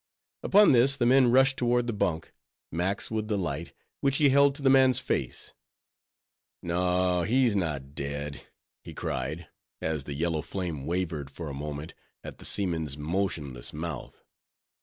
Upon this the men rushed toward the bunk, Max with the light, which he held to the man's face. "No, he's not dead," he cried, as the yellow flame wavered for a moment at the seaman's motionless mouth.